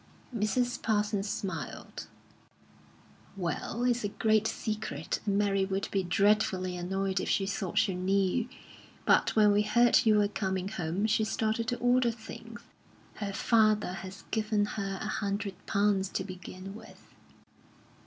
'" Mrs Parsons smiled. "Well, it's a great secret, and Mary would be dreadfully annoyed if she thought you knew; but when we heard you were coming home, she started to order things. Her father has given her a hundred pounds to begin with."